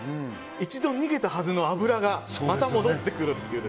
一度逃げたはずの脂がまた戻ってくるという。